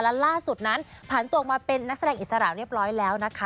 และล่าสุดนั้นผ่านตัวมาเป็นนักแสดงอิสระเรียบร้อยแล้วนะคะ